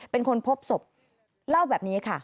เป็นคนพบศพเล่าแบบนี้ค่ะ